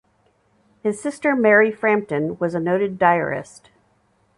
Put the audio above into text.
His sister Mary Frampton was a noted diarist.